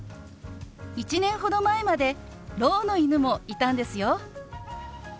１年ほど前までろうの犬もいたんですよ。